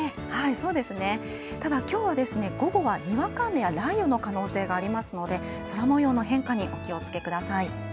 きょうは午後はにわか雨や雷雨の可能性がありますので空もようの変化に気をつけください。